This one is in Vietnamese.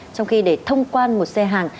trong khi để thông quan một xe hàng